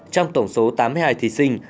trong tổng số tám mươi hai thí sinh